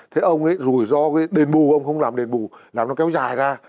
thế ông ấy rủi ro cái đền bù ông không làm đền bù là nó kéo dài ra